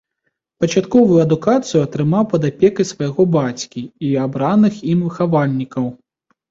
Пачатковую адукацыю атрымаў пад апекай свайго бацькі і абраных ім выхавальнікаў.